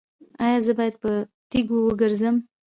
ایا زه باید په تیږو وګرځم؟